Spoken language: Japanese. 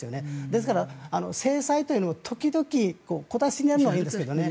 ですから制裁というのは時々、小出しにやるのはいいですけどね。